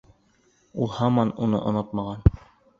Ул һаман уны онотмаған.